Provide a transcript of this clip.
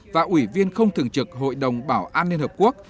và ủy viên không thường trực hội đồng bảo an liên hợp quốc